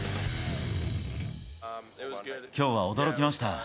きょうは驚きました。